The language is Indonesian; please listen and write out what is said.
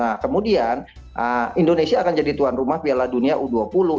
nah kemudian indonesia akan jadi tuan rumah piala dunia u dua puluh